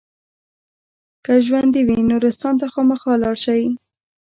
که ژوندي وي نورستان ته خامخا لاړ شئ.